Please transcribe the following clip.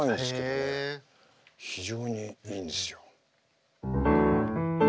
非常にいいんですよ。